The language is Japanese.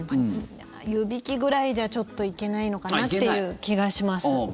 湯引きぐらいじゃちょっといけないのかなっていうおお、×。